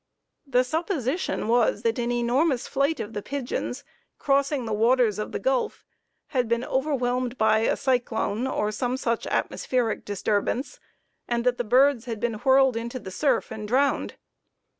The supposition was that an enormous flight of the pigeons crossing the waters of the Gulf had been overwhelmed by a cyclone, or some such atmospheric disturbance, and that the birds had been whirled into the surf and drowned.